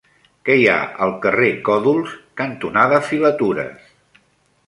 Què hi ha al carrer Còdols cantonada Filatures?